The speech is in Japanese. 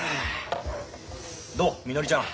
どうみのりちゃん